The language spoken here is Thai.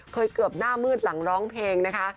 เกือบหน้ามืดหลังร้องเพลงนะคะ